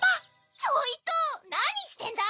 ちょいとなにしてんだい！